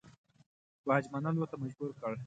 باج منلو ته مجبور کړ.